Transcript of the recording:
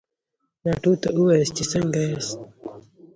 ناټو ته ووایاست چې څنګه ياست؟